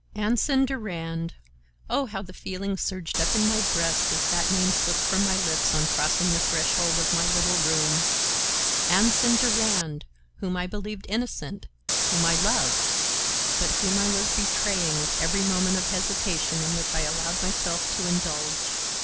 Anson Durand! Oh, how the feeling surged up in my breast as that name slipped from my lips on crossing the threshold of my little room! Anson Durand, whom I believed innocent, whom I loved, but whom I was betraying with every moment of hesitation in which I allowed myself to indulge!